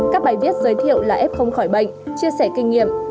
các bài viết giới thiệu là ép không khỏi bệnh chia sẻ kinh nghiệm